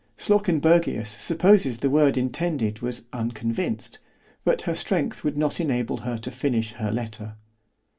Slawkenbergius supposes the word intended was unconvinced, but her strength would not enable her to finish her letter.